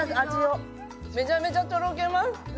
めちゃめちゃとろけます。